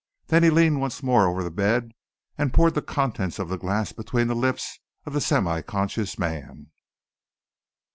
Then he leaned once more over the bed and poured the contents of the glass between the lips of the semi conscious man.